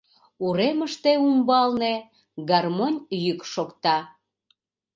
Уремыште, умбалне, гармонь йӱк шокта.